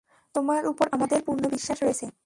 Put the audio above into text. তোমার উপর আমাদের পূর্ণ বিশ্বাস রয়েছে।